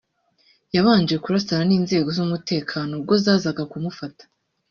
yabanje kurasana n’inzego z’umutekano ubwo zazaga kumufata